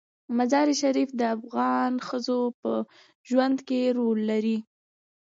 مزارشریف د افغان ښځو په ژوند کې رول لري.